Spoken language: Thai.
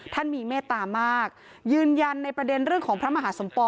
ท่านมีเมตตามากยืนยันในประเด็นเรื่องของพระมหาสมปอง